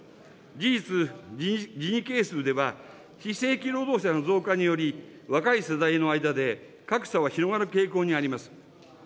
事実、ジニ係数では、非正規労働者の増加により、若い世代の間で格差は広がる傾向にあります。